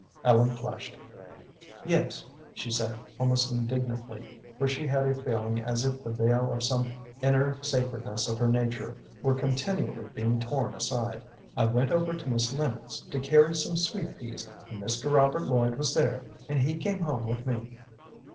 Ellen flushed. "Yes," she said, almost indignantly, for she had a feeling as if the veil of some inner sacredness of her nature were continually being torn aside. "I went over to Miss Lennox, to carry some sweet peas, and Mr. Robert Lloyd was there, and he came home with me."